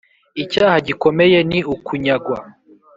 icyaha gikomeye ni ukunyagwa